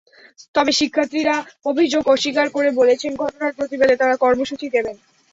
তবে শিক্ষার্থীরা অভিযোগ অস্বীকার করে বলেছেন, ঘটনার প্রতিবাদে তাঁরা কর্মসূচি দেবেন।